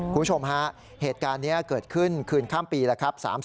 คุณผู้ชมฮะเหตุการณ์นี้เกิดขึ้นคืนข้ามปีแล้วครับ